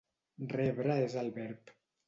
Rebre és el verb.